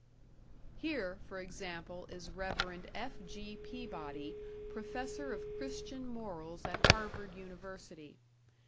Here, for example, is Rev. F.G. Peabody, Professor of Christian Morals at Harvard University.